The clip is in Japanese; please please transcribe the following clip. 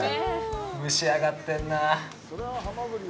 蒸し上がってんな。